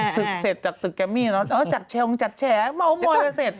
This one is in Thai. ตึกเสร็จจัดตึกแกมี่แล้วจัดแฉงมาเอาหมอยแล้วเสร็จ